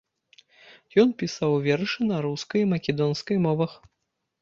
Ён пісаў вершы на рускай і македонскай мовах.